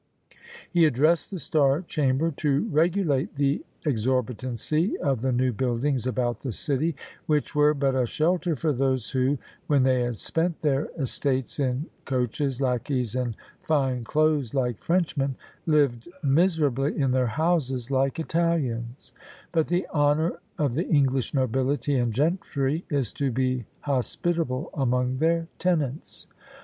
He addressed the Star Chamber to regulate "the exorbitancy of the new buildings about the city, which were but a shelter for those who, when they had spent their estates in coaches, lacqueys, and fine clothes like Frenchmen, lived miserably in their houses like Italians; but the honour of the English nobility and gentry is to be hospitable among their tenants."